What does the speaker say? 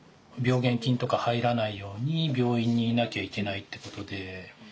病原菌とか入らないように病院にいなきゃいけないってことで。